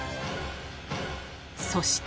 ［そして］